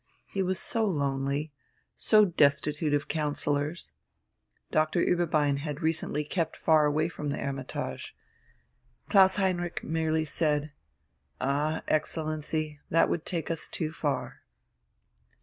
He was so lonely, so destitute of counsellors. Dr. Ueberbein had recently kept far away from the "Hermitage." ... Klaus Heinrich merely said: "Ah, Excellency, that would take us too far."